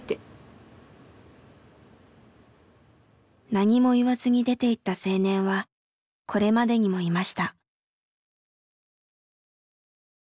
何も言わずに出ていった青年はこれまでにもいました。